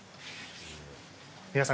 皆さん